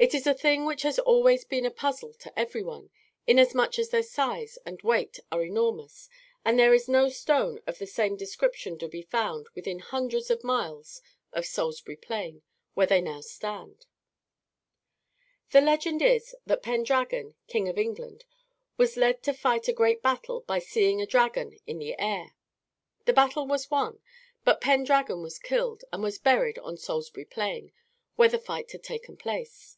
It is a thing which has always been a puzzle to every one, inasmuch as their size and weight are enormous, and there is no stone of the same description to be found within hundreds of miles of Salisbury Plain, where they now stand. The legend is that Pendragon, king of England, was led to fight a great battle by seeing a dragon in the air. The battle was won, but Pendragon was killed and was buried on Salisbury Plain, where the fight had taken place.